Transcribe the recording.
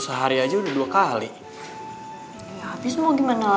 sama baju buat lo